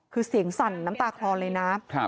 คือเสียงสั่นน้ำตาคลอเลยนะ